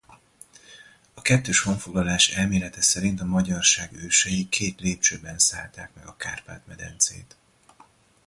A kettős honfoglalás elmélete szerint a magyarság ősei két lépcsőben szállták meg a Kárpát-medencét.